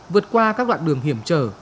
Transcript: vượt qua các đoạn đường hiểm trở